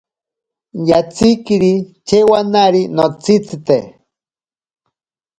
Yatsikiri chewonari notsitzite.